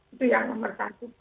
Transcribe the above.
itu yang nomor satu